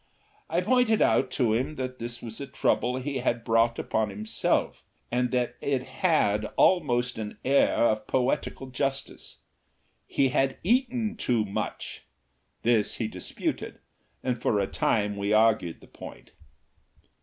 I pointed out to him that this was a trouble he had brought upon himself, and that it had almost an air of poetical justice. He had eaten too much. This he disputed, and for a time we argued the point.